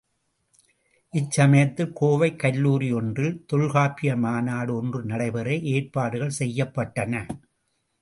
இச்சமயத்தில் கோவை கல்லூரி ஒன்றில் தொல்காப்பிய மாநாடு ஒன்று நடைபெற ஏற்பாடுகள் செய்யப்பட்டன.